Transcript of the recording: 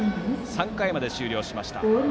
３回まで終了しました。